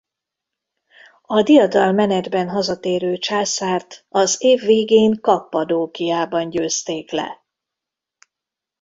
A diadalmenetben hazatérő császárt az év végén Kappadókiában győzték le.